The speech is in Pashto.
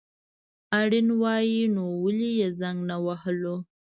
که اړين وای نو ولي يي زنګ نه وهلو